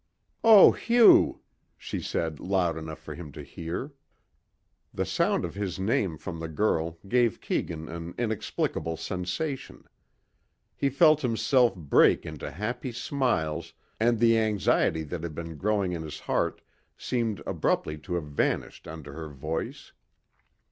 "Oh, Hugh," she said loud enough for him to hear. The sound of his name from the girl gave Keegan an inexplicable sensation. He felt himself break into happy smiles and the anxiety that had been growing in his heart seemed abruptly to have vanished under her voice.